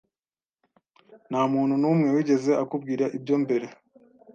Nta muntu n'umwe wigeze akubwira ibyo mbere?